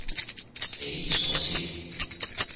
匪夷所思